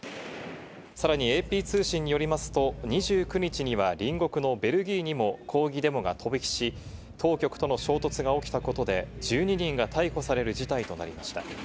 さらにＡＰ通信によりますと、２９日には隣国のベルギーにも抗議デモが飛び火し、当局との衝突が起きたことで、１２人が逮捕される事態となりました。